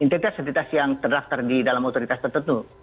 intentitas intentitas yang terdaftar di dalam otoritas tertentu